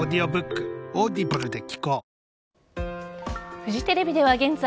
フジテレビでは現在